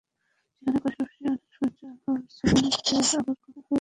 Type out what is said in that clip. যেখানে পাশাপাশি অনেক সূর্য আলো বিচ্ছুরণ করে আবার কণা হয়ে ভেঙে পড়ে।